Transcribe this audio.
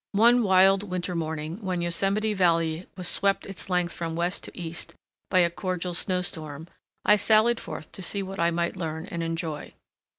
One wild winter morning, when Yosemite Valley was swept its length from west to east by a cordial snow storm, I sallied forth to see what I might learn and enjoy.